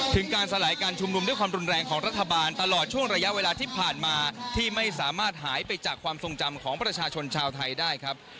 ถึงการสลายการชุมนุมด้วยความรุนแรงของรัฐบาลตลอดช่วงระยะเวลาที่ผ่านมาที่ไม่สามารถหายไปจากความทรงจำของประชาชนชาวไทยได้ครับ